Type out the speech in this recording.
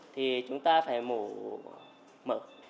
thì chúng ta phải mổ mở